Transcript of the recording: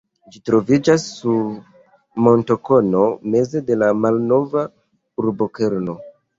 Ĝi troviĝas sur montokono meze de la malnova urbokerno.